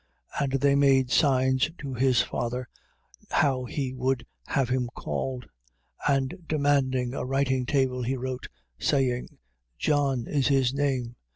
1:62. And they made signs to his father, how he would have him called. 1:63. And demanding a writing table, he wrote, saying: John is his name.